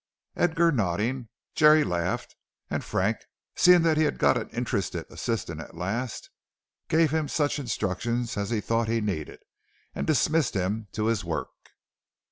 Edgar nodding, Jerry laughed, and Frank, seeing he had got an interested assistant at last, gave him such instructions as he thought he needed, and dismissed him to his work.